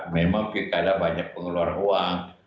memang pilkada banyak pengeluar uang